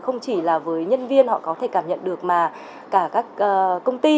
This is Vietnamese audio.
không chỉ là với nhân viên họ có thể cảm nhận được mà cả các công ty